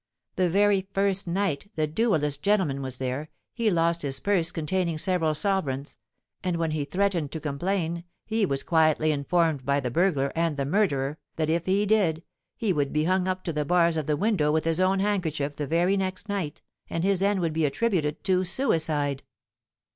The very first night the duellist gentleman was there, he lost his purse containing several sovereigns; and when he threatened to complain, he was quietly informed by the burglar and the murderer that if he did, he would be hung up to the bars of the window with his own handkerchief the very next night, and his end would be attributed to suicide.